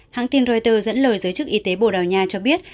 hãng tin reuters dẫn lời giới chức y tế bồ đào nha cho biết